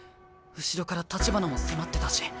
後ろから橘も迫ってたし。